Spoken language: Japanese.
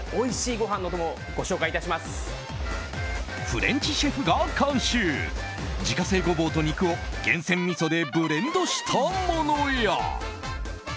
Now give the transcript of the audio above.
フレンチシェフが監修自家製ゴボウと肉を厳選みそでブレンドしたものや。